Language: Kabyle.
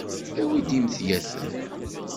Awi-d imedyaten.